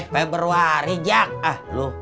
februari jak ah lu